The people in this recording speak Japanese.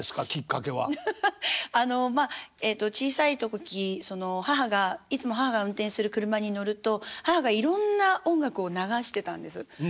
あのまあえっと小さい時いつも母が運転する車に乗ると母がいろんな音楽を流してたんです。